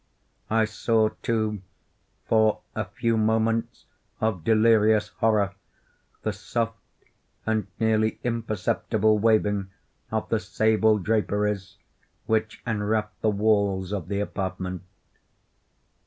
I saw, too, for a few moments of delirious horror, the soft and nearly imperceptible waving of the sable draperies which enwrapped the walls of the apartment.